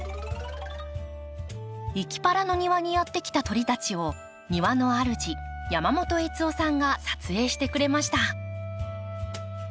いきパラの庭にやって来た鳥たちを庭の主山本悦雄さんが撮影してくれました。